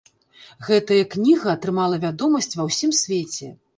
Гэтая кніга атрымала вядомасць ва ўсім свеце.